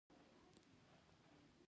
ښه مدیریت د شرکت بڼې بدلوي.